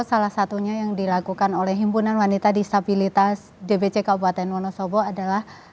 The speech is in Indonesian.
salah satunya yang dilakukan oleh himpunan wanita disabilitas dbc kabupaten wonosobo adalah